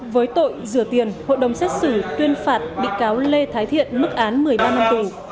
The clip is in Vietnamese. với tội rửa tiền hội đồng xét xử tuyên phạt bị cáo lê thái thiện mức án một mươi ba năm tù